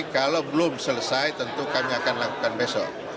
kalau belum selesai tentu kami akan lakukan besok